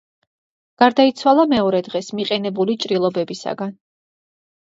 გარდაიცვალა მეორე დღეს მიყენებული ჭრილობებისაგან.